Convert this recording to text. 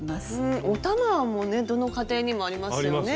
お玉もねどの家庭にもありますよね。